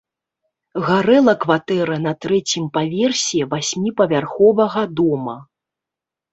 Гарэла кватэра на трэцім паверсе васьміпавярховага дома.